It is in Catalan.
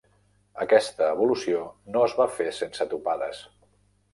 Aquesta evolució no es va fer sense topades.